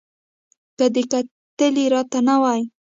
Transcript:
که دې کتلي را ته نه وای